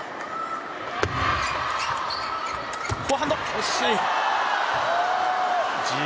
惜しい。